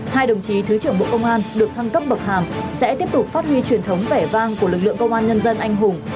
hai đồng chí thứ trưởng bộ công an được thăng cấp bậc hàm sẽ tiếp tục phát huy truyền thống vẻ vang của lực lượng công an nhân dân anh hùng